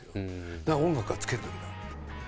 だから音楽はつけるべきだって。